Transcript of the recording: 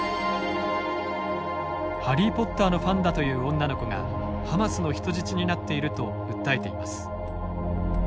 「ハリー・ポッター」のファンだという女の子がハマスの人質になっていると訴えています。